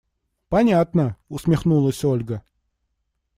Понятно! – усмехнулась Ольга.